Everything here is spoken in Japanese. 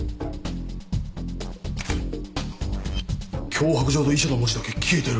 脅迫状と遺書の文字だけ消えてる！